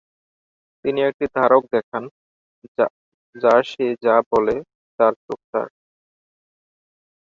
তিনি একটি ধারক দেখান যা সে যা বলে তার চোখ তার।